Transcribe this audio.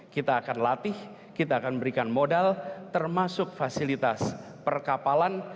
kita akan latih kita akan berikan modal termasuk fasilitas perkapalan